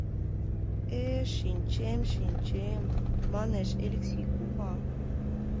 — Э-э, шинчем, шинчем, — манеш Элексей кува.